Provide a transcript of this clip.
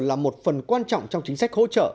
là một phần quan trọng trong chính sách hỗ trợ